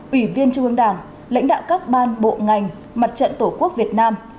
ủy viên trung ương đảng lãnh đạo các ban bộ ngành mặt trận tổ quốc việt nam